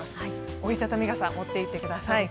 折り畳み傘を持っていってください。